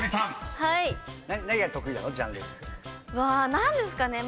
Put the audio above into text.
何ですかね？